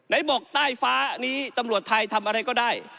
ไหนบอกใต้ฟ้านี้ตำรวจไทยทำอะไรก็ได้